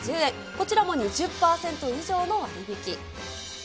こちらも２０％以上の割引。